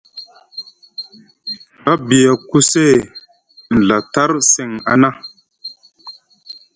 A byo ku see nɵa tar seŋ a na.